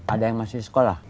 ada yang masih sekolah